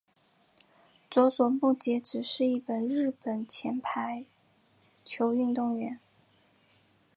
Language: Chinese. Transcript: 佐佐木节子是一名日本前排球运动员。